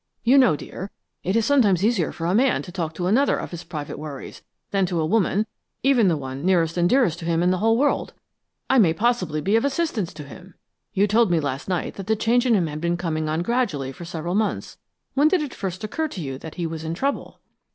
You know, dear, it is easier sometimes for a man to talk to another of his private worries, than to a woman, even the one nearest and dearest to him in all the world. I may possibly be of assistance to him. You told me last night that the change in him had been coming on gradually for several months. When did it first occur to you that he was in trouble?"